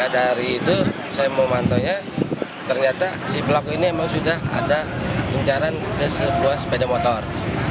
dari itu saya memantaunya ternyata si blok ini memang sudah ada incaran ke sebuah sepeda motor